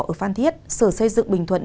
ở phan thiết sở xây dựng bình thuận